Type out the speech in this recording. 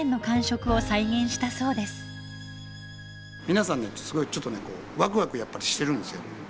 皆さんねすごいちょっとねこうワクワクやっぱりしてるんですよ。